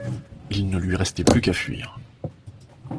Il ne lui restait plus qu’à fuir!